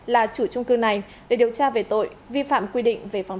làm sao chúng ta tiếp tục tăng